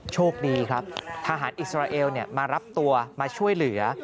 โชคดีครับทหารอิสราเอลมารับตัวมาช่วยเหลือ